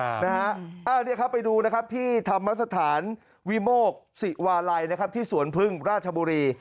อ้าวนี้นะครับไปดูที่ธรรมสถานวิโมกสิวาลัยที่สวนผึ้งราชบุรี